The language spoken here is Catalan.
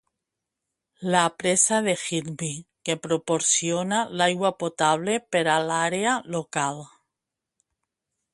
La presa de Higby, que proporciona l'aigua potable per a l'àrea local.